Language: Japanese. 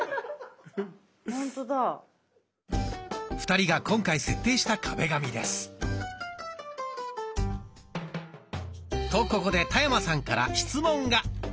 ２人が今回設定した壁紙です。とここで田山さんから質問が。